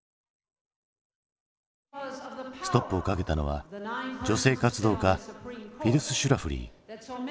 ストップをかけたのは女性活動家フィリス・シュラフリー。